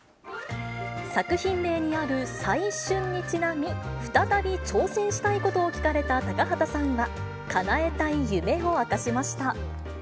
作品名にある再春にちなみ、再び挑戦したいことを聞かれた高畑さんは、かなえたい夢を明かしました。